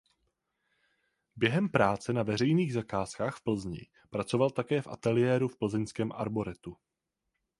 Během práce na veřejných zakázkách v Plzni pracoval také v ateliéru v plzeňském arboretu.